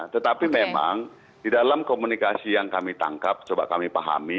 tetapi memang di dalam komunikasi yang kami tangkap coba kami pahami